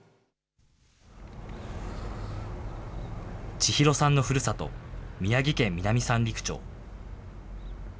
千裕さんのふるさと、宮城県南三陸町。